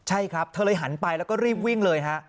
ใช่ครับเธอเลยหันไปแล้วก็รีบวิ่งเลยฮะ